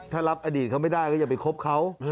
ถ้ารับอดีตเขาไม่ได้ก็อย่าไปคบเขา